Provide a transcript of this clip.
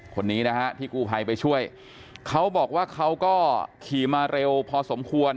คนนี้นะฮะที่กู้ภัยไปช่วยเขาบอกว่าเขาก็ขี่มาเร็วพอสมควร